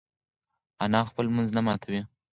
انا خپل لمونځ نه ماتوي.